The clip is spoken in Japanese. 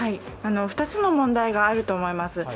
２つの問題があると思います。